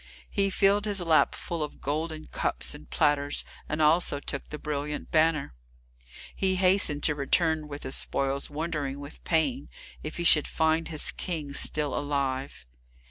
He filled his lap full of golden cups and platters, and also took the brilliant banner. He hastened to return with his spoils, wondering, with pain, if he should find his King still alive.